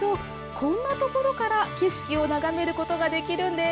こんな所から景色を眺めることができるんです